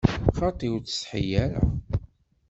Xaṭi, ur ttsetḥi ara!